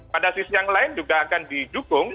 pada sisi yang lain juga akan didukung